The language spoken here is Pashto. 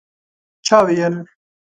چا ویل